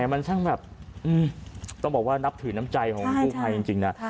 มันช่างแบบต้องบอกว่านับถือน้ำใจของกู้ภัยจริงนะ